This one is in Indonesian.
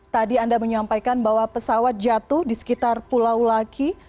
tadi anda menyampaikan bahwa pesawat jatuh di sekitar pulau laki